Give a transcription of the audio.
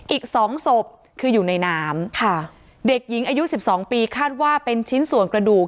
อีกสองศพคืออยู่ในน้ำค่ะเด็กหญิงอายุ๑๒ปีคาดว่าเป็นชิ้นส่วนกระดูก